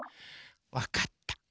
わかった。